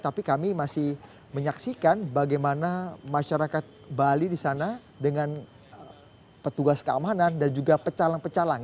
tapi kami masih menyaksikan bagaimana masyarakat bali di sana dengan petugas keamanan dan juga pecalang pecalang